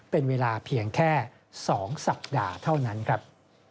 เป็นเวลาเพียงแค่๒สัปดาห์เท่านั้นครับ